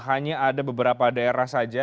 hanya ada beberapa daerah saja